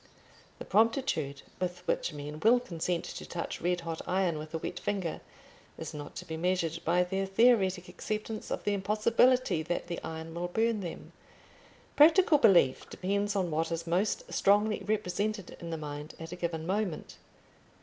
The promptitude with which men will consent to touch red hot iron with a wet finger is not to be measured by their theoretic acceptance of the impossibility that the iron will burn them: practical belief depends on what is most strongly represented in the mind at a given moment.